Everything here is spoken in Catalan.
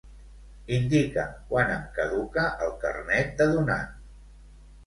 Indica'm quan em caduca el carnet de donant.